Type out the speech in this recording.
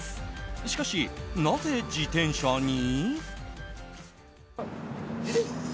しかし、なぜ自転車に？